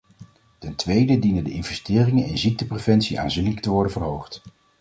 Ten tweede dienen de investeringen in ziektepreventie aanzienlijk te worden verhoogd.